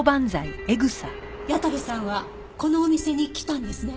矢田部さんはこのお店に来たんですね？